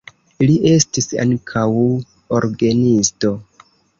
Li estis ankaŭ orgenisto.